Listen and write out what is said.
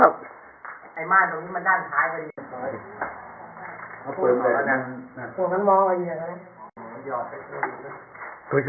หน้ากรรมโดยเกิดการให้เสร็จ